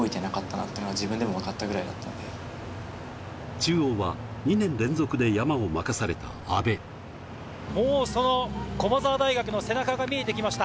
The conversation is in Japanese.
中央は２年連続で山を任され駒澤大学の背中が見えてきました。